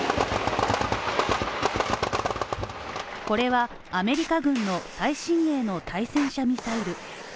これはアメリカ軍の最新鋭の対戦車ミサイル。